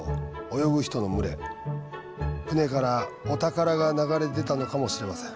船からお宝が流れ出たのかもしれません。